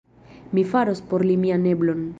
Mi faros por li mian eblon.